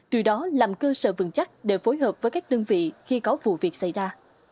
từ đó làm cơ sở vững chắc để phối hợp với các đơn vị khi có vụ việc xảy ra